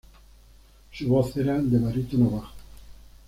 Su voz era de barítono bajo.